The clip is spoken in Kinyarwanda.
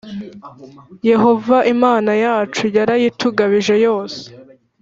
Yehova Imana yacu yarayitugabije yose.